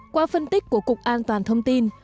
qua phân tích của cục an toàn thông tin